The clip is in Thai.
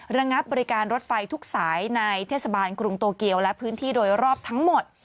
ระงับบริการรถไฟทุกสายในเทศบาลกรุงโตเกียวและพื้นที่โดยรอบทั้งหมด